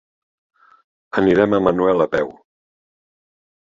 Anirem a Manuel a peu.